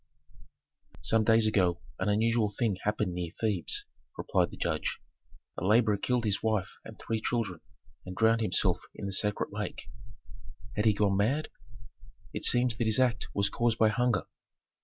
"Some days ago an unusual thing happened near Thebes," replied the judge. "A laborer killed his wife and three children and drowned himself in the sacred lake." "Had he gone mad?" "It seems that his act was caused by hunger."